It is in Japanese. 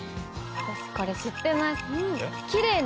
私これ知ってます。